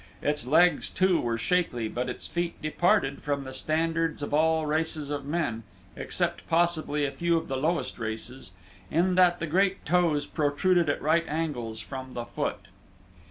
Its legs too were shapely but its feet departed from the standards of all races of men, except possibly a few of the lowest races, in that the great toes protruded at right angles from the foot.